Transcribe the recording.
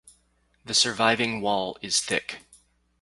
The surviving wall is thick.